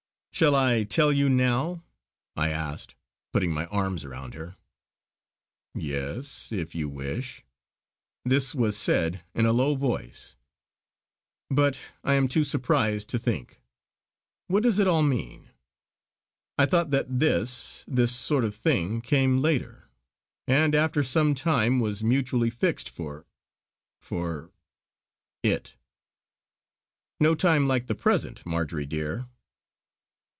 "Shall I tell you now?" I asked putting my arms round her. "Yes! if you wish." This was said in a low voice "But I am too surprised to think. What does it all mean? I thought that this this sort of thing came later, and after some time was mutually fixed for for it!" "No time like the present, Marjory dear!"